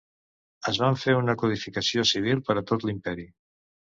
Es va fer una codificació civil per a tot l'Imperi.